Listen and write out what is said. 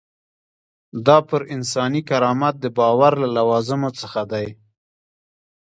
دا پر انساني کرامت د باور له لوازمو څخه دی.